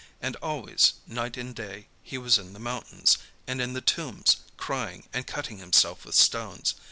And always, night and day, he was in the mountains, and in the tombs, crying, and cutting himself with stones.